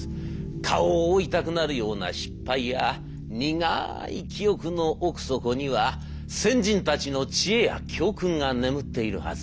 顔を覆いたくなるような失敗や苦い記憶の奥底には先人たちの知恵や教訓が眠っているはず。